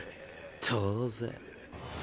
当然。